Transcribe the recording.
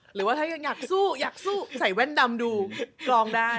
หรือว่าถ้ายังอยากสู้อยากสู้ใส่แว่นดำดูกลองได้